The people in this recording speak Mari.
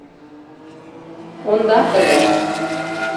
— Ондак ыле.